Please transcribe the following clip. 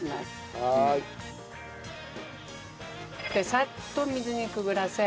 さっと水にくぐらせ